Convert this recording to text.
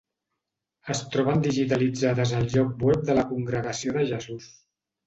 Es troben digitalitzades al lloc web de la Congregació de Jesús.